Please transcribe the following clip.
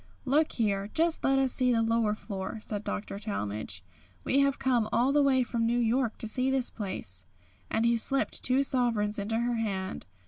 "Look here, just let us see the lower floor," said Dr. Talmage; "we have come all the way from New York to see this place," and he slipped two sovereigns into her hand.